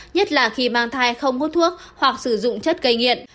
nhất là khi mang thai không hốt thuốc hoặc sử dụng chất cây nghiện